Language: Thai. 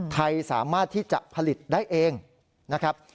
ไทยสามารถที่จะผลิตได้เองนะครับ